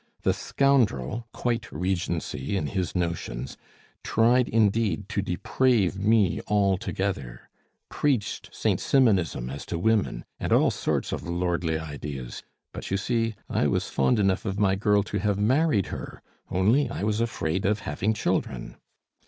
The scoundrel quite Regency in his notions tried indeed to deprave me altogether, preached Saint Simonism as to women, and all sorts of lordly ideas; but, you see, I was fond enough of my girl to have married her, only I was afraid of having children.